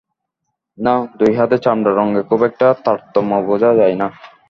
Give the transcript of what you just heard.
নাহ, দুই হাতের চামড়ার রঙে খুব একটা তারতম্য বোঝা যায় না।